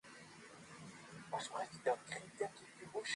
majeshi ya nato kuchukuwa ukinara mashambulizi kuilenga nchi ya libya